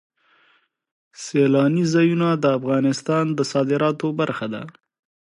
سیلانی ځایونه د افغانستان د صادراتو برخه ده.